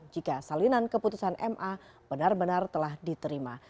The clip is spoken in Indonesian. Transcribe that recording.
jika salinan keputusan ma benar benar telah diterima